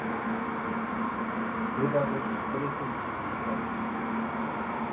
He dado trece hijos a mi patria.